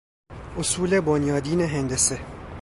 اصول بنیادین هندسه